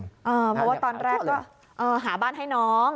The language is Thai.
เพราะว่าตอนแรกก็หาบ้านให้น้อง